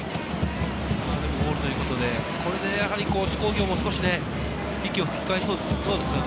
でもゴールということで、これで津工業も少し息を吹き返しそうですね。